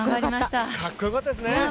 かっこよかったですね。